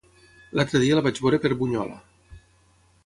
L'altre dia el vaig veure per Bunyola.